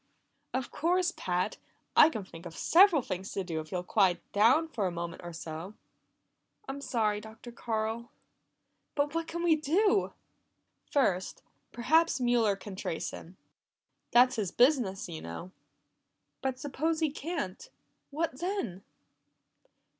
"Of course, Pat! I can think of several things to do if you'll quiet down for a moment or so." "I'm sorry, Dr. Carl but what can we do?" "First, perhaps Mueller can trace him. That's his business, you know." "But suppose he can't what then?"